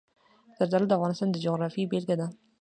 زردالو د افغانستان د جغرافیې بېلګه ده.